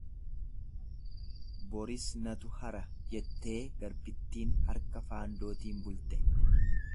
Boris natu hara jettee garbittiin harka faandootiin bulte.